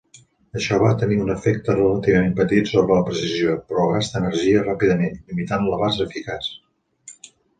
Això va tenir un efecte relativament petit sobre la precisió, però gasta energia ràpidament, limitant l'abast eficaç.